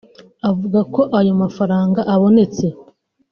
Avuga ko ayo mafaranga abonetse